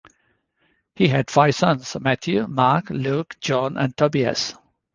He had five sons: Matthew, Mark, Luke, John and Tobias.